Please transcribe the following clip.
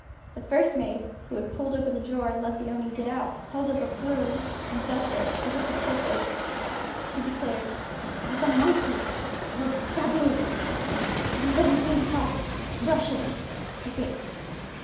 The first maid, who had pulled open the drawer and let the Oni get out, held up broom and duster, as if to take oath. She declared: "It was a monkey, or baboon; but he seemed to talk Russian, I think."